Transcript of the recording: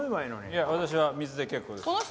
いや私は水で結構です。